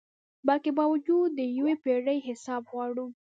بلکي باوجود د یو پیړۍ حساب غواړو